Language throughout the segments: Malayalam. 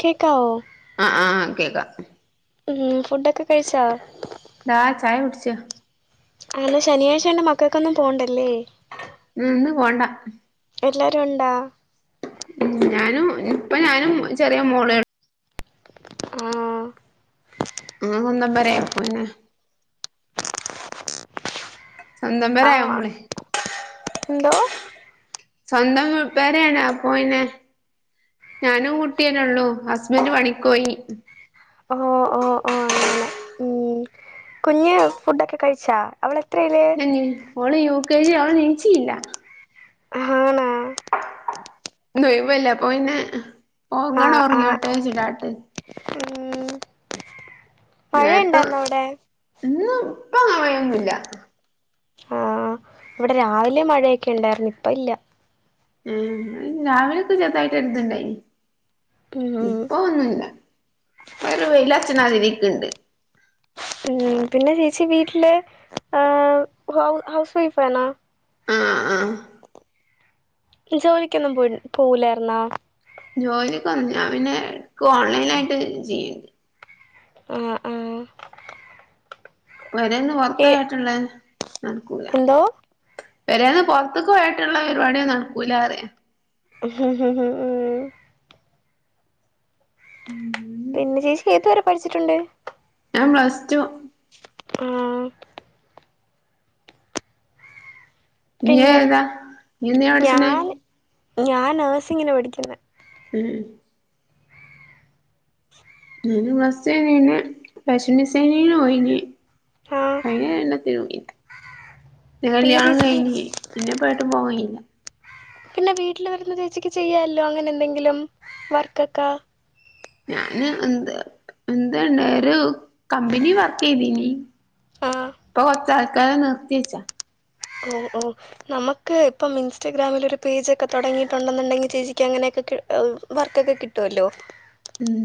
കേക്കാവോ? അ ആഹ് ആഹ് കേക്കാം. ഉം, ഫുഡൊക്കെ കഴിച്ചോ? ദാ ചായ കുടിച്ച് ആഹ് ഇന്ന് ശനിയാഴ്ച ആയോണ്ട് മക്കൾക്ക് ഒന്നും പോണ്ടല്ലേ ഉം ഇന്ന് പോണ്ട എല്ലാരു ഉണ്ടാ? ഞാനും ഇപ്പ ഞാനും ചെറിയ മോളെ ഹ്മ് മ്മളെ സ്വന്തം പേരെ പോങ്ങനെ സ്വന്തം ആഹ് പെരാവുമ്പളെ എന്തോ സ്വന്തം പെരെ ആണോ അപ്പോ പിന്നെ ഞാനും കുട്ട്യന്നൊള്ളൂ. ഹസ്ബൻഡ് പണിക്കോയീ ഓഹ് ഓഹ് ഓഹ് അങ്ങനെ ഉം കുഞ്ഞ് ഫുഡൊക്കെ കഴിച്ചാ, അവളെത്രേല്? പിന്നെഞ്ഞ് ഓള് യു കെ ജി ഓള് നീച്ചീല്ല. ആണോ? ന്ന് ഒയ് വല്ലേ അപ്പ പിന്നെ, ഒർങ്ങാണേ ആഹ് ആഹ് ഒർങ്ങിയോട്ടെ ആഹ് വെച്ച്ട്ടാട്ട്. ഉം മഴയുണ്ട നേരത്തെ ഇന്ന്അവിടെ ഇന്ന് ഇപ്പ അങ്ങനെ മഴയൊന്നുല്ല ആഹ് ഇവിടെ രാവിലെ മഴയൊക്കെ ഇണ്ടാര്ന്നു ഇപ്പ ഇല്ല ഉം രാവിലൊക്കെ ചെറുതായിട്ടൊര് ഇത്ണ്ടായ്നി. ഉം ഇപ്പൊ ഒന്നുവില്ല ഇപ്പോ ഒരു വെല്യച്ചനാകാൻ ആഗ്രഹിക്കുന്നുണ്ട് ഉം പിന്നെ ചേച്ചി വീട്ടില് ഏഹ് ഹൗ ഹൗസ് വൈഫാണോ? ആഹ് ആഹ് ജോലിക്കൊന്നും പോ പോവൂലാർന്നോ? ജോലിക്കൊന്ന് ഞാൻ പിന്നെ, ക്ക് ഓൺലൈനായിട്ട് ചെയ്യും. ആഹ് ആഹ് പൊരേന്ന് പൊർത്ത ഏ [unintelligible] യിട്ട്ള്ളെ നടക്കൂല എന്തോ പെരേന്ന് പൊർത്ത്ക്കോയാട്ട്ള്ളെ പരിപാടിയൊന്നും നടക്കുലാർയ. മം പിന്നെ ചേച്ചി ഏതുവരെ പഠിച്ചിട്ടുണ്ട്? ഞാൻ പ്ലസ് ടു ആഹ ഇയ്യ് പിന്നെ ഏതാ ഇയ്യ് എന്തിനാ പഠിച്ചണേ ഞാൻ ഞാൻ നഴ്സിങ്ങിന് പഠിക്കുന്ന് ഉഹ് ഞാന് ഫസ്റ്റ് അന്നേ ഫാഷൻ ഡിസൈനിങ്ങന് പോയിന്ന് ആഹ് അയ്യന് എണ്ണത്തില് [unintelligible] ല്ല ഇന്റെ പിന്നെ കല്യാണം ചേച്ചി വീ കഴിഞ്ഞ് പിന്നെ പ്പ ഏട്ടും പോവാൻ കഴിയില്ല പിന്നെ വീട്ടിൽ വരുന്ന ചേച്ചിക്ക് ചെയ്യാല്ലോ അങ്ങനെ എന്തെങ്കിലും വർക്കക്കാ ഞാന് എന്ത് എന്തന്ന് ഒരു കമ്പനി വർക്ക് ചെയ്യ്തിനി ആഹ് ഇപ്പ കൊറച്ച് ആള് കാരെ നിർത്തി വെച്ച ഓ ഓ നമ്മക്ക് ഇപ്പം ഇൻസ്റ്റാഗ്രാമിൽ ഒരു പേജൊക്കെ തൊടങ്ങിയിട്ട് ഒണ്ടന്നോടങ്കിൽ ചേച്ചിക്ക് അങ്ങനെയൊക്കെ ഹ് വർക്കക്കെ കിട്ടുവല്ലോ ഉം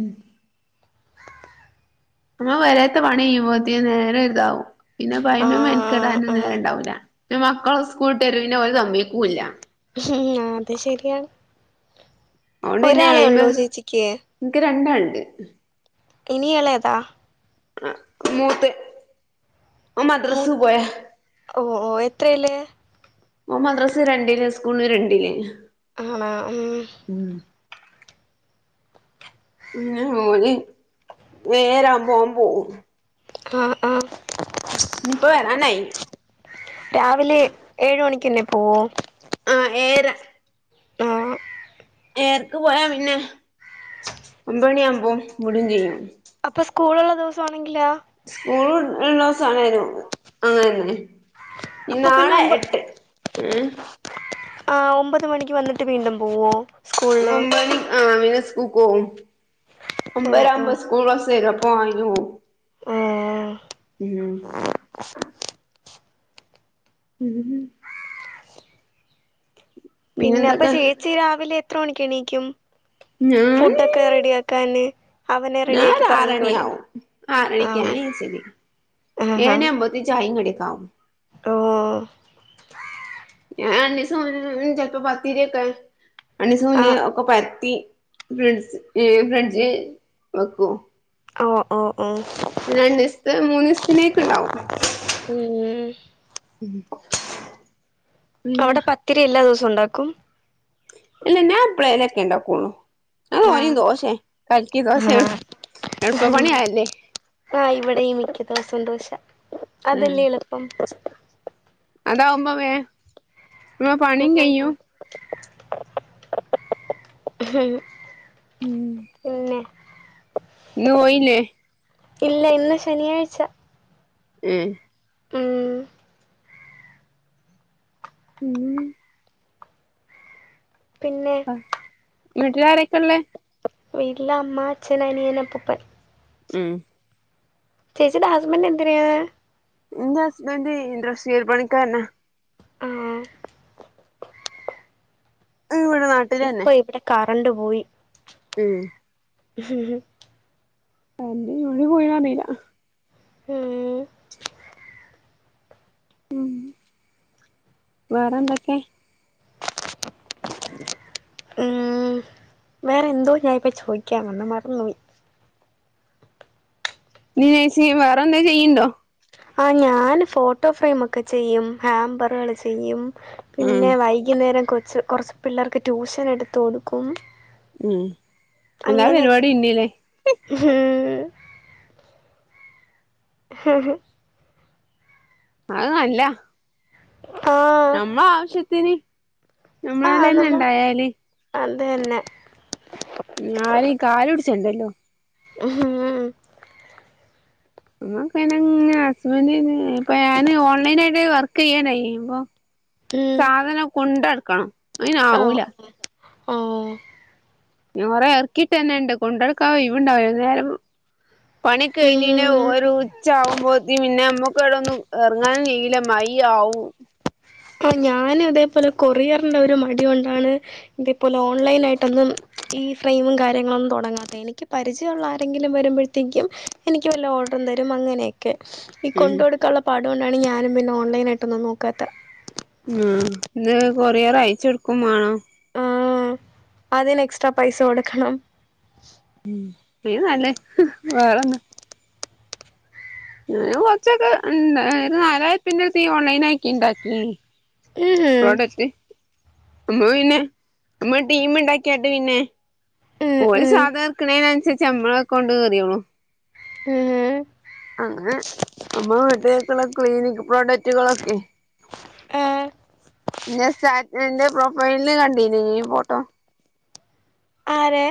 നമ്മളെ പേരെത്ത പണി ചെയ്യുമ്പോത്തിന് നേരം ഇതാവും പിന്നെപ്പ ആയിനും ആഹ് മെനക്കേടാനും ആഹ് നേരാണ്ടാവൂല പിന്നെ മക്കള് സ്കൂള്ട്ട് വെരും പിന്നെ ഒര് സമ്മയ്ക്കൂല്യ [unintelligible] അത് ശരിയാണ് അഹോണ്ട് പിന്നെ ഒരാളെ ആയിമ്മ ഉള്ളൂ ചേച്ചിക്ക് എനിക്ക് രണ്ട് ആള് ഇണ്ട് ഇനിയൊള്ള താ ആ മൂത്തെ ഓൻ മൂത്ത മദ്രസ് പോയ ഓ ഓ എത്രല്ല് ഓ മദ്രസ് രണ്ടില് സ്കൂള് രണ്ടില് ആണ ഉം ഉം പിന്നെ ഓന് നേരാവുമ്പ ഓൻ പോവും ആ ആ ഇനി ഇപ്പവാരനായി രാവിലെ ഏഴ് മണിക്കന്നെ പോവോ ആ ഏഴ് അര ആ ഏരക്ക് പോയാ പിന്നെ ഒമ്പ മണി ആകുമ്പോ വിടും ചെയ്യും അപ്പ സ്കൂള് ഒള്ള ദിവസണെങ്കിലോ സ്കൂൾ ഒള്ള ദിവസ [unintelligible] അങ്ങനെന്നെ അപ്പൊ നാളെ എട്ട് മ് ആ ഒമ്പത് മണിക്ക് വന്നിട്ട് വീണ്ടും പോവോ സ്കൂളില് ഒമ്പ മണി ആ പിന്നെ സ്കൂൾക്ക് പോവും ഓ ഓ ഒമ്പരാക്കുമ്പോ സ്കൂൾ ബസ്സ്‌ വെരും [unintelligible] ഉ ആഹ് ഉം [inaudible] ഉഹ് പിന്നെ അപ്പ പിന്നെന്തൊക്കെ ചേച്ചി രാവിലെ എത്ര മണിക്ക് എണീക്കും ഞാൻ ഫുഡൊക്കെ റെഡിയാക്കാന് അവനെ ഞാൻ റെഡിയാക്കി ഒരു പറഞ്ഞക്ക വിടണ്ടേ ആറണിയാവും ആ ആറണിക്ക് ഞാൻ ആഹ ആഹ ഒര് ചായിം കടിക്കെ ആവും ഓ അ രണ്ടീസം മുന്നേ ചെലപ്പം പത്തിരിയൊക്കെ രണ്ടീസം മുന്നേ ആഹ് ഒക്കെ പ ഫ്രണ്ട്സ് ഏ ഫ്രഡ്ജി വക്കും ഓ ഓ ഓ പിന്നെ രണ്ട് ദിവസത്തെ മൂന്ന് ദിവസത്തിനേക്ക ഉണ്ടാവും ഉം ഉം അവിടെ പത്തിരി എല്ലാ ദിവസവും ഉണ്ടാക്കും ഇല്ല ഞാന് ചെലപ്പളൊക്കെ ഉണ്ടാക്കോള്ളു ആഹ് ഓനും ദോശേ കലക്കി ദോശ ആഹ് എളുപ്പ പണിയാ അല്ലേ ആഹ ഇവിടെയും മിക്ക ദിവസവും ദോശ അതല്ലേ എളുപ്പം അതാവുമ്പോമേം ഉം ഉം ഉം പിന്നെ ഇന്നുപോയില്ലേ ഇല്ല ഇന്ന് ശനിയാഴ്ച ഉം ഉം ഉം പിന്നെ വീട്ടിലാരക്കെ ള്ളേ വീട്ടില് അമ്മ അച്ഛനനിയനപ്പൂപ്പൻ ഉം ചേച്ചിയുടെ ഹസ്ബന്റ് എന്ത്‌ ചെയ്യാണ് ന്റെ ഹസ്ബന്റ് ഇൻഡ്രസ്റ്റീൽ പണിക്കാരന ആഹ് ഇവിടെ നാട്ടിൽ ഇപ്പൊ ഇവിടെ കറണ്ട് പോയി ഉം ഉ എന്റെ [unintelligible] ഉം വേറെന്തൊക്കെ ഉം വേറെന്തോ ഞാനിപ്പ ചോദിക്കാ വന്ന് മറന്നുപോയി [unintelligible] വേറെ എന്തേം ചെയ്യ്ണ്ടോ ആ ഞൻ ഫോട്ടോ ഫ്രെയിമ ക്കെ ചെയ്യും ഹാമ്പറാൾ ചെയ്യും ഉം പിന്നെ വൈ വൈകുന്നേരം കൊച്ച് കുറച്ച് പിള്ളേർക്ക് ട്യൂഷനെട്ത്ത് കൊടുക്കും ഉം എല്ലാ പരിപാടിം ഇണ്ട്ല്ലേ ഉഹും ഹഹ ഹ അഹ് അല്ല ആ നമ്മളെ ആാവശ്യത്തിന് നമ്മളെലന്നെ ഇണ്ടായാല് അതന്നെ ആരേം കാലു പിടിച്ചേണ്ടല്ലോ ഉം അമ്മക്കന ഹസ്ബൻഡ് നങ്ങനെ ഇപ്പൊ ഞാന് ഓൺലൈൻ ആായിട്ട് വർക്ക് ചെയ്യാനായി ഇപ്പൊ ഉം സാധനം കൊണ്ടെട്ക്കണം അയ്ന് ഓ ആവൂല ഓ ഞൻ കൊറെ ഇറക്കിയിട്ടന്നെണ്ട് കൊണ്ടടുക്കാ ഓയ്‌വ്ണ്ടാവൂല ന്നേരം പണിഒക്കെ കയ്ഞ് പിന്നെ ഉം ഒരു ഉച്ച ആകുമ്പോത്തിന് പിന്നെ അമ്മക്ക്വിടോന്നും എറ്ങ്ങാനും കയ്യൂല ല മയി ആവും ആ ഞാന് അതേപോലെ കൊറിയറിന്റെറെ രു മടി കൊണ്ടാണ് ഇതേപോലെ ഓൺലൈൻ ആയിട്ടൊന്നും ഈ ഫ്രെയിമും കാര്യങ്ങളൊന്നും തൊടങ്ങാതെ എനിക്ക് പരിചയൊള്ള ആരെങ്കിലും വരുമ്പഴത്തേക്കും എനിക്ക് വല്ല ഓർഡറും തരും അങ്ങനെയൊക്കെ ഈ ഉം കൊണ്ട് കൊടുക്കാനുള്ള പാടോണ്ടാണ് ഞാനും പിന്നെ ഓൺലൈനായിട്ടൊന്നും നോക്കാത്തെ ഉം ന്ന് കൊറിയർ അയ്ച്ചോട്ക്കും മാണം ആ അതിന് എക്സ്ട്രാ പൈസ കൊടുക്കണം ഉം പിന്നെ നല്ലേ വേറെൊന്ന ഞൻ കൊറച്ചൊക്കെ ഇന് രു നാലായിരുറ്പ്യന്റെ അട്ത്തൊക്കെ ഓൺലൈനാക്കി ഇണ്ടാക്കിനി ഉം ഉം പ്രോഡക്റ്റ് അമ്മ പിന്നെ അമ്മക്ക് ടീമ്ണ്ടാക്കിയാണ്ട് പിന്നെ ഉം ഓല് ഉം സാധനം ഇട്ക്ക്ണേനനുസരിച്ച് നമ്മളക്കൗണ്ട് കേറിയോളും എ ഏ. അങ്ങനെ. അമ്മളെ വീട്ട്ക്കക്ക്ള്ള ക്ലീനിക് പ്രോഡക്റ്റുകളൊക്കെ. ആഹ് ന്റെ സാറ്റ് എന്റെ പ്രൊഫൈല് കണ്ടീന് ഈ ഫോട്ടോ. ആരെ?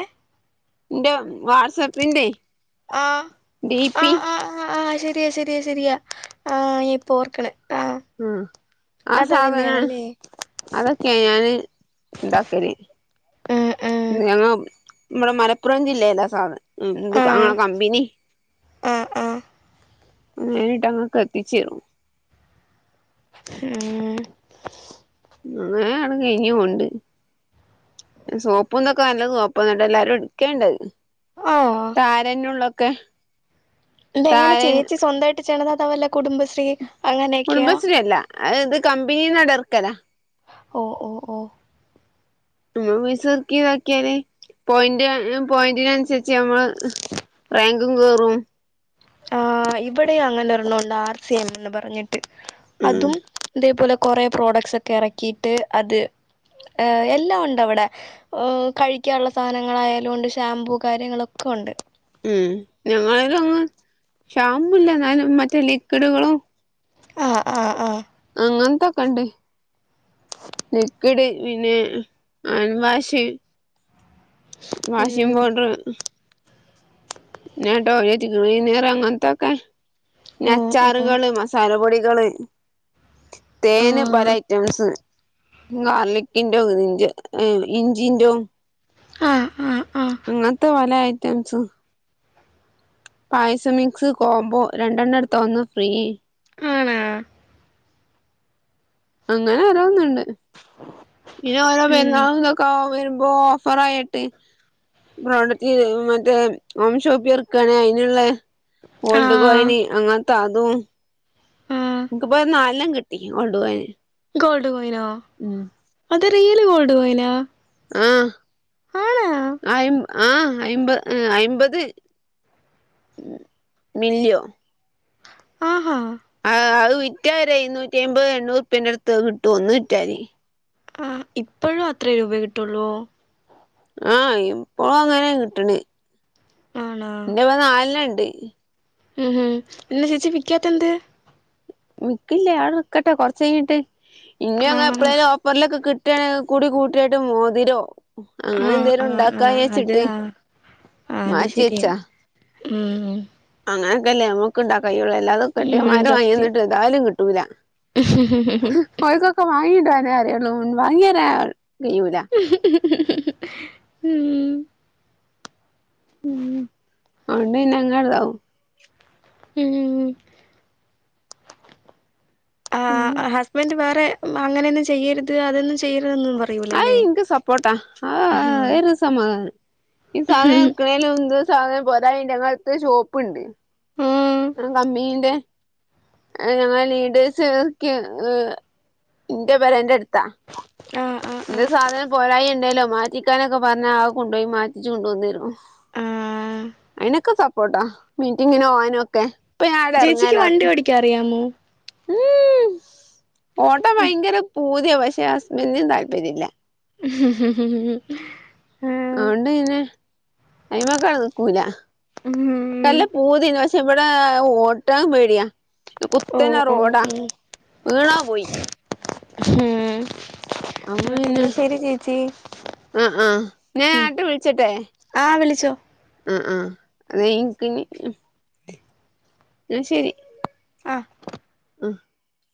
ന്റെ വാട്സആപ്പിന്റെ ആഹ് ഡി പി ശെരിയാ ശെരിയാ ശെരിയാ ആഹാ ഞ്ഞാനിപ്പൊ ഓർക്ണേ ആഹാ ആ സാധനാണ് അതൊക്കെ ഞാന് ഇണ്ടാക്കല്. ആഹ് ആഹ് [unintelligible] നമ്മടെ മലപ്പുറം ജില്ലേലാ സാധ ആഹ് ഞ്ഞങ്ങളെ കമ്പിനി ആഹ് ആഹ് നേരിട്ടങ്ങക്ക്എത്തിച്ചെരും എഹേ അങ്ങനേ ആണ്ട് കഴിഞ്ഞു പോവ്ണ്ട് സോപ്പും ന്ത്ക്കെ നല്ല സോപ്പ അത്കൊണ്ട് എല്ലാരും എടുക്കേണ്ടത്. ആഹ് താരനുള്ളൊക്കെ. ഇതെങ്ങനെ താരൻ ചേച്ചി സ്വന്തായിട്ട് ചെയ്യ്ണതോ വല്ലകുടുംബശ്രീ അങ്ങനെക്കെയാ? അഹ്ഇത് കമ്പിനീന്നാട്ട് എർക്കലാ ഓഹ് ഓഹ് ഓഹ് നമ്മള് പൈസർക്കിതാക്കിയാല് പോയിന്റ് പോയിന്റിനൻസരിച്ച് നമ്മള് ഹ് റാങ്കും കേറും. ആ ഇവിടെ അങ്ങനെ ഒരെണ്ണണ്ട് ആർ സി എം എന്ന് പറഞ്ഞിട്ട് ഉം അതും. ഇതേപോലെ കൊറേ പ്രോഡക്ട്സ് ഒക്കെ എറക്കിയിട്ട് അത് ഏഹ് എല്ലാം ഒണ്ടവിടെ. ഹോ കഴിക്കാനുള്ള സാധനങ്ങളായാലുണ്ട് ഷാമ്പൂ കാര്യങ്ങളൊക്കെ ഒണ്ട്. ഉം ഞങ്ങളിലൊന്നും ഷാമ്പൂല്ല ഇന്നാലും മറ്റേ ലിക്വിഡുകളും. ആഹ് ആഹ് ആഹ് അങ്ങനത്തൊക്കെ ഇണ്ട്, ലിക്വിഡ് പിന്നെ ഹാൻവാഷ്. വാഷിംഗ് ഉം പൗഡറ്. പിന്നെ ടോയ്‌ലറ്റ് ക്ലീനർ അങ്ങനത്തൊക്കെ പിന്നെ ഓഹ് ഓഹ് അച്ചാറുകള് മസ് തല പൊടികള് തേന് പല ആഹ് ഐറ്റംസ് ഗാർലിക്കിന്റോം ഇഞ്ച്ഇഞ്ചിന്റോം ആഹ ആഹ് ആഹ അങ്ങൻത്തെ പല ഐറ്റംസും പായസമിക്സ് കോംബോ രണ്ടെണ്ണം എടുത്ത ഒന്ന് ഫ്രീ. ആണാ? അങ്ങനെ ഓരോത്ണ്ട് പിന്നെ ഓരോ ഉം പെരുന്നാള്തൊക്കെ ഒക്കോ വെരുമ്പോ ഓഫറായിട്ട്. പ്രോഡക്റ്റ് മറ്റേ ഹോം ഷോപ്പ് ഇറക്കാണെങ്കി അയിന്ള്ളേ ഗോൾഡ് ആഹ് കോയിന് അങ്ങനത്തെ അതും. ആഹ് ഇൻക്ക്പ്പൊരു നാലണ്ണംകിട്ട വീട്ടിക്ക് കൊണ്ടു പോവാൻ. ഗോൾഡ് കോയിനോ? അത് റിയൽ ഗോൾഡ് കോയിനാ? ആഹാ ആണാ അയ് ആഹ് അയ്മ്പ അയ്മ്പത്. മില്ല്യോ. ആഹാ ആഹ് അത് വിറ്റാ ഒരു എഴുന്നുറ്റി അമ്പത് എണ്ണൂറുപ്പന്റെ അടുത്ത് കിട്ടും ഒന്ന് വിറ്റാല്. ആഹാ ഇപ്പഴും അത്രേ രൂപേ കിട്ടൊള്ളൂ? ആ ഇപ്പോളും അങ്ങനെയാ കിട്ടണ് ആണാ ഇന്റെ മോൻ നാലില്ണ്ട് ഉം ഉം പിന്നെ ചേച്ചി വിക്കാത്തെന്ത് വിക്കില്ലാ ആടെ നിക്കട്ടെ കൊറച്ചെ ഞ്ഞിട്ട് ഇന്നെയൊക്കെ ആഹ് എപ്പളേലും പ്പർലൊക്കെ കിട്ടേണെ കൂടി കൂട്ടിയിട്ട് മോതിരോ ആഹ് അങ്ങനെന്തേലും ആഹ് ആഹ് അത് ഉണ്ടാക്കായേച്ചിട്ട് ആഹ് ആഹ് അത് ശരിയാ മാറ്റിയെച്ചാ ഉം അങ്ങനൊക്കല്ലേ നമ്മുക്ക് ഇണ്ടാക്കാൻ കൈയ്യുള്ളൂ എല്ലാതെ ഉം കെട്ടിയൊമ്മാര് സത്യം വാങ്ങിയന്നിട്ട് ഏതായാലും കിട്ടൂല [unintelligible] [inaudible] ഓൽകൊക്കെ വാങ്ങിഇടാനേ അറിയുള്ളൂ വാങ്ങിയരാൻ കയ്യൂല ഉം ഉം വണ്ടി [unintelligible] ഉം ഉം ഹാ ഹസ്ബൻഡ് വേറെ അങ്ങനെയൊന്നും ചെയ്യരുത് അതൊന്നും ചെയ്യരുത് ന്ന് പറയോ അയ് ഇൻക്ക് സപ്പോട്ടാ ആ യിറ് സമാധാനാ ഈ സാധനം ഉം എക്കണലേ ഒന്ത് സാധനം പൊരെയ്ന്റെ അങ്ങെടുത്ത് ഷോപ്പ്ണ്ട് ഉം വെറും കമ്പി ന്റെ ഞങ്ങളെ ലീഡേഴ്സ് ഓക്കിയേ ഇന്റെ പെരേന്റെ അടുത്താ ആഹ് ആഹ് ന്തേ ആഹ് സാധനം പോരായി ഇണ്ടേലോ മാറ്റിക്കാനൊക്കെ പറഞ്ഞാ ആ കൊണ്ടോയി മാറ്റിച്ച് കൊണ്ടൊന്നെരും ആഹ് അയിനൊക്കെ സപ്പോർട്ടാ മീറ്റിങ്ങിനോവനൊക്കെ ചേച്ചിക്ക് വണ്ടി ഓടിക്കാൻ അറിയാമോ? ഉം ഓട്ടാൻ ഭയങ്കര പൂതിയ പക്ഷെ ഹസ്ബന്റിന് താല്പര്യയില്ല [unintelligible] [inaudible] ആഹ് ഔടേനെ അയ്മ കട്ക്കൂല. ഉം കല്ലു പൂതിയിണ്ട് പക്ഷെ ഇവ്ടെ ഓട്ടാൻ പേടിയാ ഇത് ഓ കുത്തനെ ഓ റോഡാ ഓ വീണാ പോയി ഉം പിന്നെ ശരി ചേച്ചീ ആ ആ ഞാൻ ആട്ട് വിളിച്ചെട്ടെ ആ വിളിച്ചോ ആ ആ അത് നിക്ക് ഇനി ന്നാ ശെരി ആ ആ